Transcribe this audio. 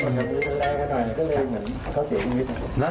ก็เลยเหมือนเขาเสียชีวิต